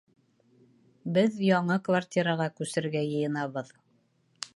Беҙ яңы квартираға күсергә йыйынабыҙ